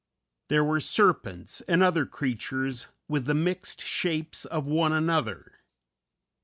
There were serpents, and other creatures with the mixed shapes of one another....